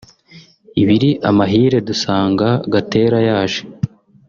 ibiri amahire dusanga Gatera yaje